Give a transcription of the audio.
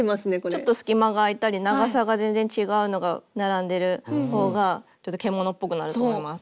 ちょっと隙間があいたり長さが全然違うのが並んでるほうがちょっと獣っぽくなると思います。